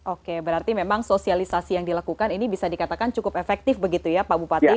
oke berarti memang sosialisasi yang dilakukan ini bisa dikatakan cukup efektif begitu ya pak bupati